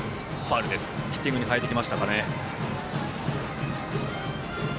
ヒッティングに変えてきました。